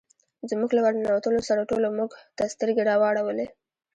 زموږ له ور ننوتلو سره ټولو موږ ته سترګې را واړولې.